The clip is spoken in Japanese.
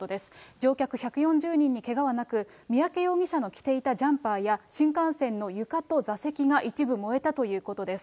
乗客１４０人にけがはなく、三宅容疑者の着ていたジャンパーや、新幹線の床と座席が一部燃えたということです。